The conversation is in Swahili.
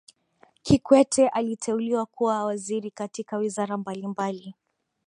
kikwete aliteuliwa kuwa waziri katika wizara mbalimbali